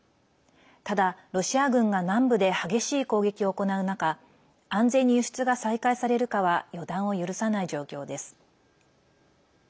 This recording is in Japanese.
ただ、ロシア軍が南部で激しい攻撃を行う中安全に輸出が再開されるかは予断を許さない状況です。